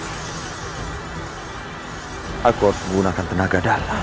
hai aku menggunakan tenaga dalam